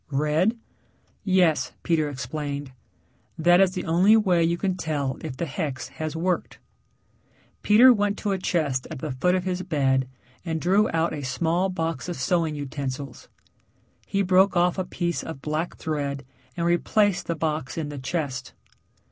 "Red?" "Yes," Peter explained, "That is the only way you can tell if the hex has worked." Peter went to a chest at the foot of his bed and drew out a small box of sewing utensils. He broke off a piece of black thread and replaced the box in the chest.